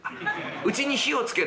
「家に火をつける」。